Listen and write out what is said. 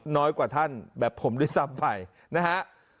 น้อยกว่าท่านแบบผมด้วยซ้ำไปนะฮะ